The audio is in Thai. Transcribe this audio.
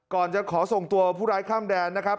ก่อนจะขอส่งตัวผู้ร้ายข้ามแดนนะครับ